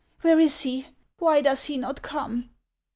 Where is he ? Why does he not come